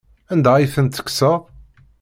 Anda ay tent-tekkseḍ?